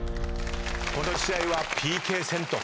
この試合はＰＫ戦と。